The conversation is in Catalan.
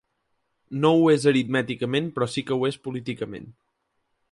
No ho és aritmèticament, però sí que ho és políticament.